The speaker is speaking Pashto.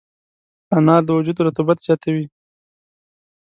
انار د وجود رطوبت زیاتوي.